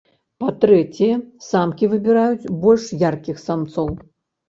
Па-трэцяе, самкі выбіраюць больш яркіх самцоў.